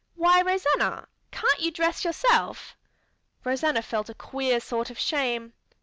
"Why, Rosanna, can't you dress yourself?" Rosanna felt a queer sort of shame.